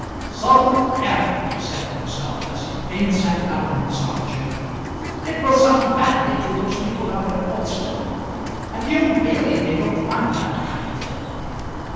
"Solomon Aram!" he said to himself, as he again sat down in his arm chair. "It will sound badly to those people down at Alston. At the Old Bailey they don't mind that kind of thing."